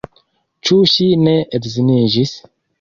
Ĉu ŝi ne edziniĝis?